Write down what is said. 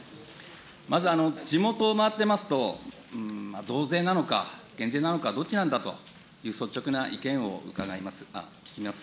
まず、地元を回ってますと、増税なのか減税なのか、どっちなんだという率直な意見を伺います、聞きます。